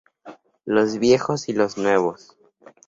Los viejos y los nuevos.